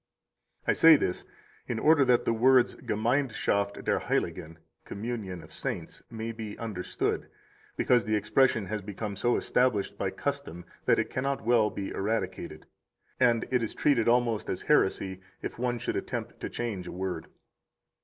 50 I say this in order that the words Gemeinschaft der Heiligen (communion of saints) may be understood, because the expression has become so established by custom that it cannot well be eradicated, and it is treated almost as heresy if one should attempt to change a word.